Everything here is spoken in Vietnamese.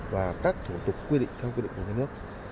và các thủ tục quy định theo quy định của nhà nước